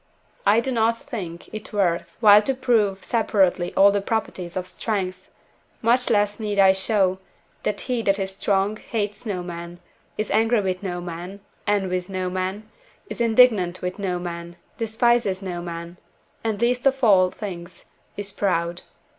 I do not think it worth while to prove separately all the properties of strength; much less need I show, that he that is strong hates no man, is angry with no man, envies no man, is indignant with no man, despises no man, and least of all things is proud.